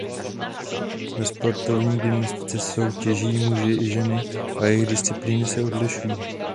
Ve sportovní gymnastice soutěží muži i ženy a jejich disciplíny se odlišují.